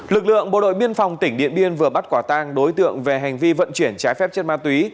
lực lượng bộ đội biên phòng tỉnh điện biên vừa bắt quả tang đối tượng về hành vi vận chuyển trái phép chất ma túy